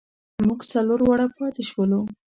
مونږ څلور واړه پاتې شولو.